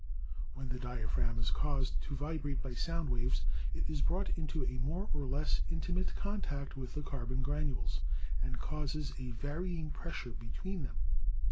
When the diaphragm is caused to vibrate by sound waves, it is brought into more or less intimate contact with the car bon granules and causes a varying pressure between them.